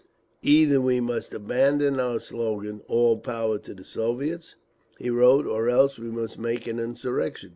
"Either we must abandon our slogan, 'All Power to the Soviets,'" he wrote, "or else we must make an insurrection.